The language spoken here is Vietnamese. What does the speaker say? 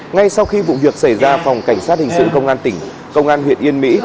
ngay sau khi vụ việc xảy ra phòng cảnh sát hình sự công an tỉnh công an huyện yên mỹ